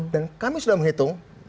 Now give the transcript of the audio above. dan kami sudah menghitung